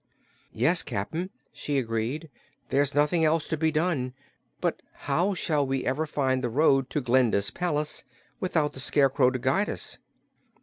"Yes, Cap'n," she agreed, "there's nothing else to be done. But how shall we ever find the road to Glinda's palace, without the Scarecrow to guide us?"